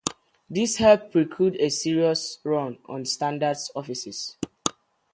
This helped preclude a serious "run" on Standard's offices.